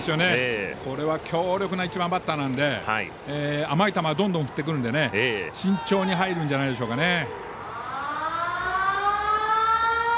これは、強力な１番バッターなので甘い球どんどん振ってくるので慎重に入るんじゃないでしょうか。